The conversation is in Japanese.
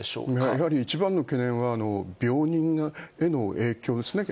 やはり一番の懸念は、病人への影響ですね。